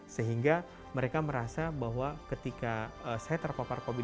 sehingga mereka merasa bahwa ketika saya terpapar covid sembilan belas